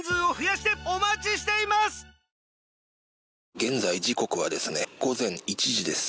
現在、時刻は午前１時です。